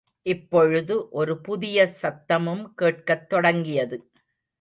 இப்பொழுது ஒரு புதிய சத்தமும் கேட்கத் தொடங்கியது.